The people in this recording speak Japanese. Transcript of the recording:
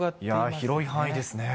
広い範囲ですね。